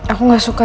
aku gak suka